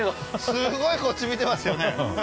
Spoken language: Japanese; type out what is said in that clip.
すごいこっち見てますよね。